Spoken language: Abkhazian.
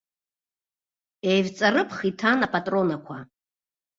Еивҵарыԥх иҭан апатронақәа.